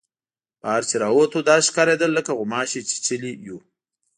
بهر چې را ووتو داسې ښکارېدل لکه غوماشې چیچلي یو.